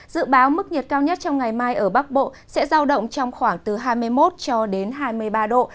dự báo mức nhiệt cao nhất trong ngày mai ở bắc bộ sẽ giao động trong khoảng từ hai mươi một cho đến hai mươi ba độ